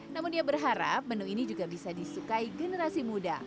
namun ia berharap menu ini juga bisa disukai generasi muda